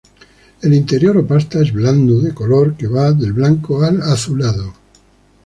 El interior o pasta es blando, de color que va del blanco al azulado.